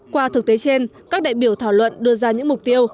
qua thực tế trên các đại biểu thảo luận đưa ra những mục tiêu